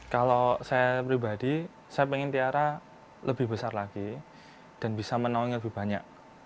kalau saya pribadi saya ingin tiara lebih besar lagi dan bisa menaungi lebih banyak